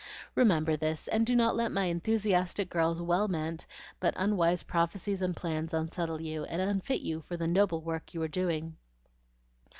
Remember this, and do not let my enthusiastic girl's well meant but unwise prophecies and plans unsettle you, and unfit you for the noble work you are doing."